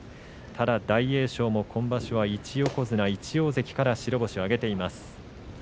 大栄翔も今場所は、１横綱１大関から白星を挙げています。